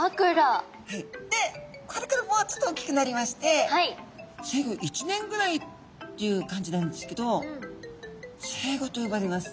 でこれからもうちょっと大きくなりまして生後１年ぐらいっていう感じなんですけどセイゴと呼ばれます。